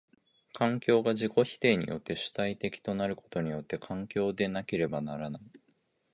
環境が自己否定によって主体的となることによって環境でなければならない。